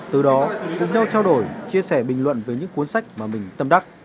từ đó dùng theo trao đổi chia sẻ bình luận với những cuốn sách mà mình tầm đắc